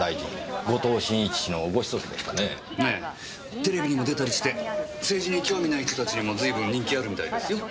テレビにも出たりして政治に興味ない人たちにも随分人気あるみたいですよ。